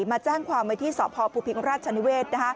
มาจ้างความไว้ที่สอบพอบุพิธีองค์ราชชันเวท